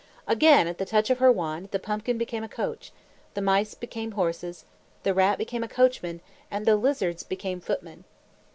Again, at the touch of her wand, the pumpkin became a coach; the mice became horses; the rat became a coachman, and the lizards became footmen.